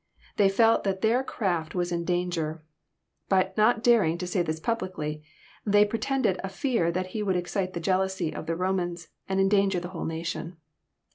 They felt that their craft was in danger; but not daring to say this publicly, they pre tended a fear that He would excite the jealousy of the Romans, and endanger the whole nation.